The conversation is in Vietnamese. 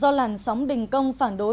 do làn sóng đình công phản đối